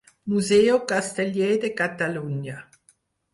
Museu Casteller de Catalunya.